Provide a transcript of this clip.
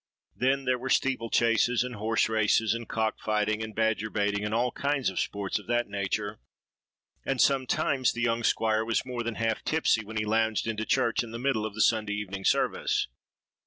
Then there were steeple chases, and horse racing, and cock fighting, and badger baiting, and all kinds of sports of that nature; and sometimes the young squire was more than half tipsy when he lounged into church in the middle of the Sunday evening service.